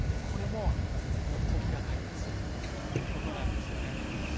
これも時が解決することなんですよね。